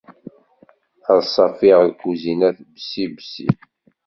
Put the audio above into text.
Ad ṣaffiɣ lkuzinet bessi bessi.